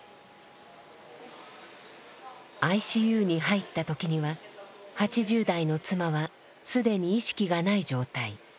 ＩＣＵに入ったときには８０代の妻はすでに意識がない状態。